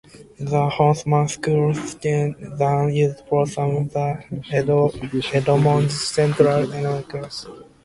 The Hosmer school was then used for some of the Edmunds Central elementary classes.